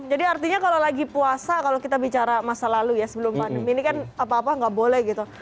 jadi artinya kalau lagi puasa kalau kita bicara masa lalu ya sebelum mandem ini kan apa apa gak boleh gitu